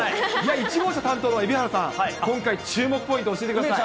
１号車担当の蛯原さん、今回、注目ポイント教えてください。